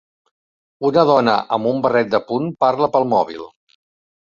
Una dona amb un barret de punt parla pel mòbil.